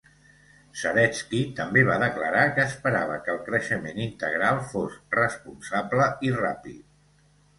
Saretsky també va declarar que esperava que el creixement integral fos responsable i ràpid.